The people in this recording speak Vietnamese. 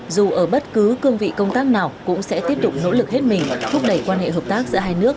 dù ở bất cứ cương vị công tác nào cũng sẽ tiếp tục nỗ lực hết mình thúc đẩy quan hệ hợp tác giữa hai nước